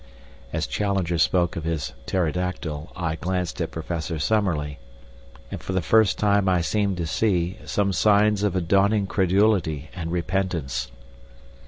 As Challenger spoke of his pterodactyl I glanced at Professor Summerlee, and for the first time I seemed to see some signs of a dawning credulity and repentance.